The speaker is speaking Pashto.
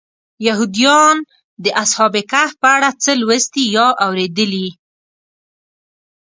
یهودیان د اصحاب کهف په اړه څه لوستي یا اورېدلي.